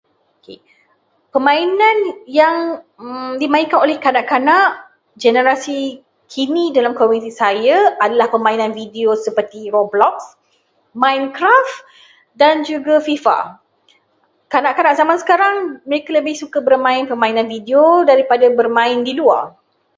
Okey, permainan yang dimainkan oleh kanak-kanak generasi kini dalam komuniti saya adalah permainan video seperti Roadblock, Minecraft dan juga FIFA. Kanak-kanak zaman sekarang, mereka lebih suka bermain permainan video daripada bermain di luar.